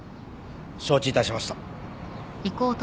承知いたしました。